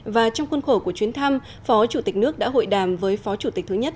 và trong khuôn khổ của chuyến thăm phó chủ tịch nước đã hội đàm với phó chủ tịch thứ nhất